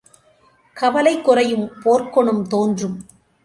கவலை குறையும் போர்க்குணம் தோன்றும்!